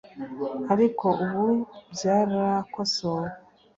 Ariko ubu byarakosowe